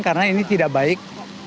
karena ini tidak baik